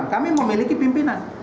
kami memiliki pimpinan